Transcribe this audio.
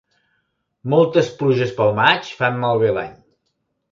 Moltes pluges pel maig fan malbé l'any.